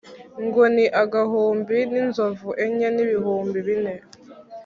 ngo ni agahumbi n’inzovu enye n’ibihumbi bine.